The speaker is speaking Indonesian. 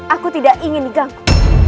aku tidak ingin diganggu